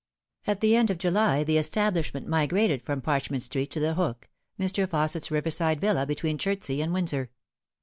At the end of July the establishment migrated from Parch ment Street to the The Hook, Mr. Fausset's riverside villa between Chertsey and Windsor.